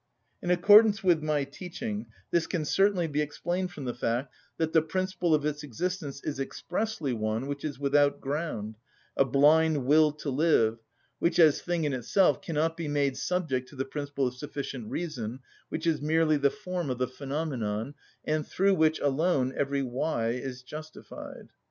In accordance with my teaching, this can certainly be explained from the fact that the principle of its existence is expressly one which is without ground, a blind will to live, which as thing in itself cannot be made subject to the principle of sufficient reason, which is merely the form of the phenomenon, and through which alone every why is justified.